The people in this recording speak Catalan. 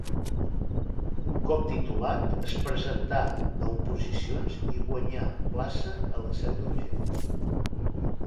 Un cop titulat, es presentà a oposicions i guanyà plaça a la Seu d'Urgell.